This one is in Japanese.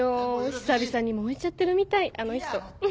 久々に燃えちゃってるみたいあの人。